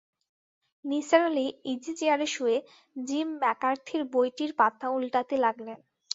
Nisar Ali easy চেয়ারে শুয়ে Jim ম্যাকার্থির বইটির পাতা ওল্টাতে লাগলেন।